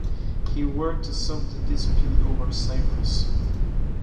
He worked to solve the dispute over Cyprus.